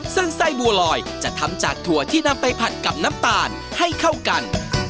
ซึ่งไส้บัวลอยจะทำจากถั่วที่นำไปผัดกับน้ำตาลให้เข้ากัน